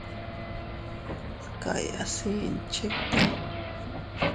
Dkayaasiin chikta.